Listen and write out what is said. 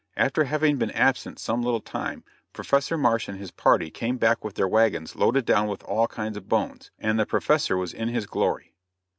After having been absent some little time Professor Marsh and his party came back with their wagons loaded down with all kinds of bones, and the Professor was in his glory.